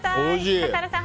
笠原さん